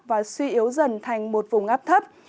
và suy yếu dần thành một vùng áp thấp